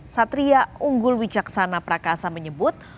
satria unggul wijaksana prakasa menyebut